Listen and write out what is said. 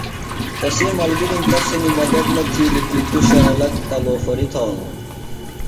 تسی ملگِرم تس سنگی مدت نہ تِھیلیۡ کی توۡ شرلہ تہ لوفری تھانوۡ۔